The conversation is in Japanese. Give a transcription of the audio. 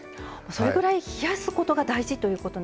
それぐらい冷やすことが大事だという。